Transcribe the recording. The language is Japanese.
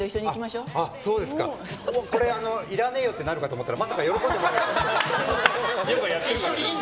いらねえよってなるかと思ったらまさか喜んでもらえるとは。